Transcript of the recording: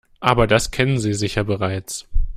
Aber das kennen Sie sicher bereits.